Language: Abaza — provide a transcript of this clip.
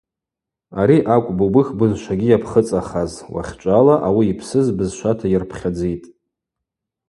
Ари акӏвпӏ убых бызшвагьи йапхыцӏахаз: уахьчӏвала ауи йпсыз бызшвата йырпхьадзитӏ.